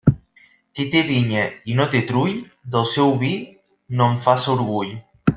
Qui té vinya i no té trull, del seu vi no en faça orgull.